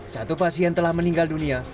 satu pasien telah meninggal dunia